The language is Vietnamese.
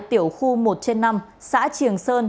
tiểu khu một trên năm xã triềng sơn